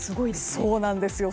そうなんですよ。